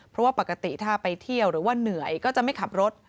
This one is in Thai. เพราะว่าปกติถ้าไปเที่ยวหรือว่าเหนื่อยก็จะไม่ขับรถ